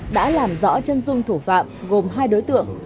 đã làm rõ chân dung thủ phạm gồm hai đối tượng